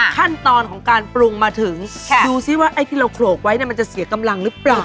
ขั้นตอนของการปรุงมาถึงดูซิว่าไอ้ที่เราโขลกไว้มันจะเสียกำลังหรือเปล่า